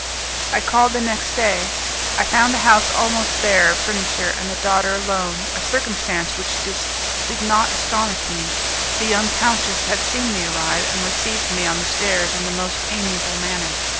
I called the next day. I found a house almost bare of furniture, and the daughter alone a circumstance which did not astonish me. The young countess had seen me arrive, and received me on the stairs in the most amiable manner.